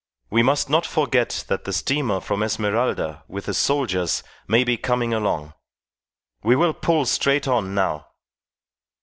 We must not forget that the steamer from Esmeralda with the soldiers may be coming along. We will pull straight on now.